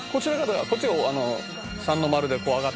「こっちが三の丸でこう上がってくる」